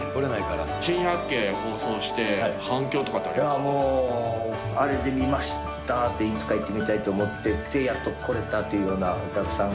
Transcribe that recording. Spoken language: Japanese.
いやもうあれで見ましたっていつか行ってみたいって思っててやっと来れたっていうようなお客さん